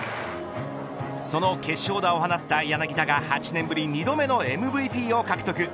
その決勝打を放った柳田が８年ぶり２度目のＭＶＰを獲得。